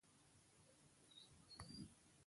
احمد نو اوس ګونډې ووهلې؛ کار نه کوي.